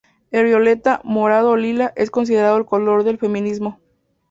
El violeta, morado o lila, es considerado el color del feminismo.